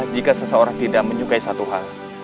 jika seseorang tidak menyukai satu hal